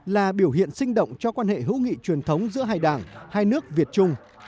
là biểu hiện sinh động cho quan hệ hữu nghị truyền thống giữa hai đảng hai nước việt trung